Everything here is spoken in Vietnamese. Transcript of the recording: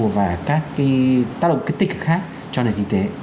và các cái tác động kinh tích khác cho nền kinh tế